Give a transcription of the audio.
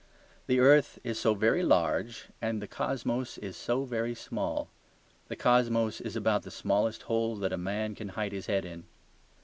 The earth is so very large, and the cosmos is so very small. The cosmos is about the smallest hole that a man can hide his head in.